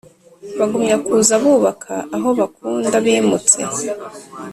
bagumya kuza bubaka aho bakunda bimutse.